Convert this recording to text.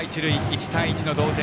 １対１の同点。